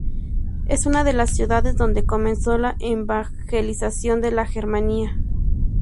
Es una de las ciudades donde comenzó la evangelización de la Germania.